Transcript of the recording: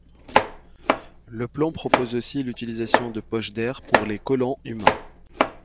Le plan propose aussi l'utilisation de poches d'air pour les colons humains.